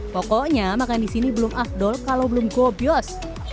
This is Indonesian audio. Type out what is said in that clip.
pokoknya makan di sini belum afdol kalau belum gobios